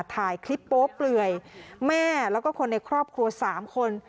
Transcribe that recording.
ถ่ายคลิปโป๊เปลื่อยแม่แล้วก็คนในครอบครัว๓คน